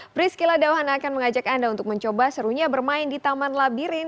priscila dauhan akan mengajak anda untuk mencoba serunya bermain di taman labirin